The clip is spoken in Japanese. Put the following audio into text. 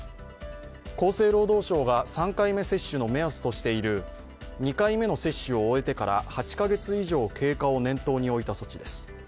厚生労働省が３回目接種の目安としている２回目の接種を終えてから８カ月以上経過を念頭に置いた措置です。